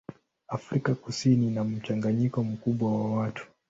Afrika Kusini ina mchanganyiko mkubwa wa watu.